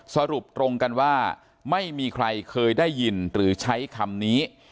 สรุปตรงกันว่าไม่มีใครเคยได้ยินหรือใช้คำนี้